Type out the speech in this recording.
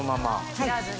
切らずに。